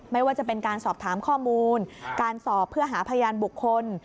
ไม่ว่าจะเป็นการสอบถามข้อมูลการสอบเพื่อหาพยานบุคคล